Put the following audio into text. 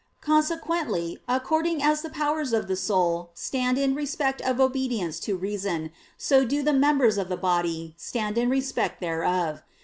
Consequently according as the powers of the soul stand in respect of obedience to reason, so do the members of the body stand in respect thereof.